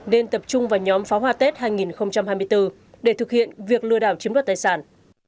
nên tập trung vào nhóm pháo hoa tết hai nghìn hai mươi bốn để thực hiện việc lừa đảo chiếm đoạt tài sản